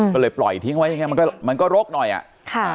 ก็เลยปล่อยทิ้งไว้มันก็รกหน่อยอ่ะ